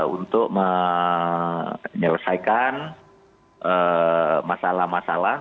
untuk menyelesaikan masalah masalah